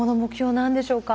何でしょうか？